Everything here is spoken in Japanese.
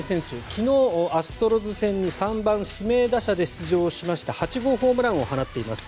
昨日、アストロズ戦に３番指名打者で出場しまして８号ホームランを放っています。